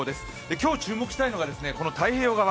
今日、注目したいのは太平洋側。